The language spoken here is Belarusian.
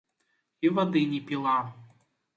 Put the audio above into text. І вады не піла.